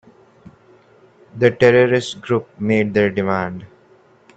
The terrorist group made their demand.